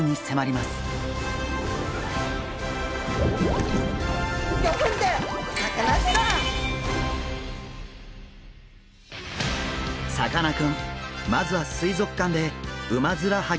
まずは水族館でウマヅラハギを観察します。